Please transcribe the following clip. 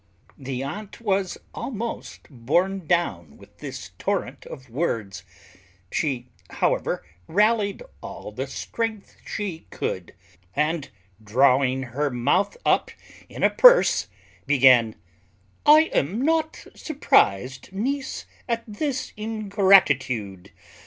The aunt was almost borne down with this torrent of words; she, however, rallied all the strength she could, and, drawing her mouth up in a purse, began: "I am not surprized, niece, at this ingratitude.